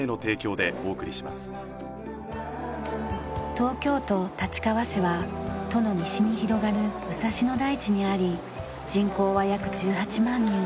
東京都立川市は都の西に広がる武蔵野台地にあり人口は約１８万人。